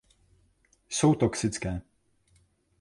Jsou toxické.